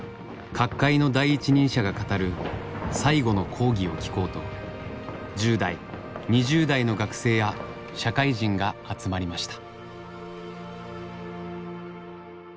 各界の第一人者が語る「最後の講義」を聴こうと１０代２０代の学生や社会人が集まりました。